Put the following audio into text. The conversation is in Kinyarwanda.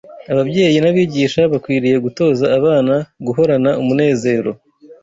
Ababyeyi n’abigisha bakwiriye gutoza abana guhorana umunezero